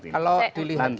kalau dilihat gini